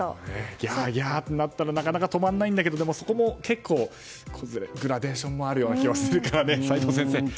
ギャーギャーなったらなかなか止まらないんだけどグラデーションもある気はするから齋藤先生